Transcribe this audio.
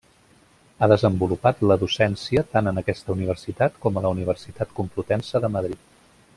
Ha desenvolupat la docència tant en aquesta universitat com a la Universitat Complutense de Madrid.